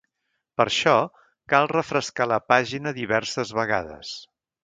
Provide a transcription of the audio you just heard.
Per això, cal refrescar la pàgina diverses vegades.